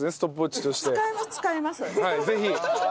ぜひ。